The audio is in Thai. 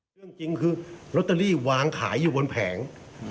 เรื่องจริงคือลอตเตอรี่วางขายอยู่บนแผง